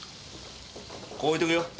ここ置いとくよ。